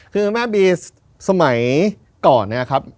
คือแม่บีสมัยก่อนเนี่ยครับ